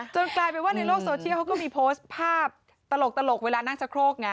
กลายเป็นว่าในโลกโซเชียลเขาก็มีโพสต์ภาพตลกเวลานั่งชะโครกไง